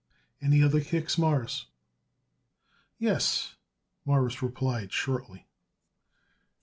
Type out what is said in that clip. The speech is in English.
Any other kicks, Mawruss?" "Yes," Morris replied shortly.